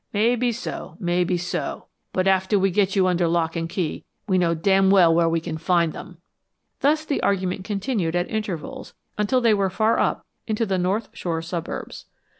"Maybe so maybe so. But after we get you under lock and key, we know damn well where we can find them." Thus the argument continued at intervals until they were far up into the North Shore suburbs.